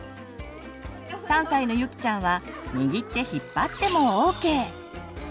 ３歳のゆきちゃんはにぎって引っ張ってもＯＫ！